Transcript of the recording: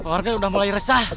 warga udah mulai resah